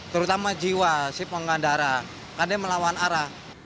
terutama jiwa si pengendara karena melawan arah